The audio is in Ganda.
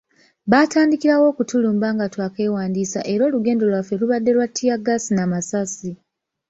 Baatandikirawo okutulumba nga twakeewandiisa era olugendo lwaffe lubadde lwa ttiyaggaasi n'amasasi.